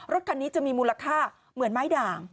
รถคันนี้จะมีมูลค่าเหมือนไม้ด่าง